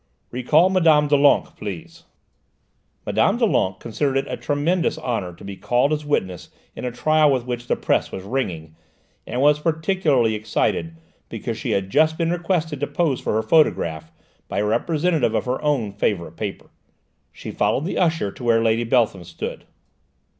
"Recall Mme. Doulenques, please." Mme. Doulenques considered it a tremendous honour to be called as witness in a trial with which the press was ringing, and was particularly excited because she had just been requested to pose for her photograph by a representative of her own favourite paper. She followed the usher to where Lady Beltham stood.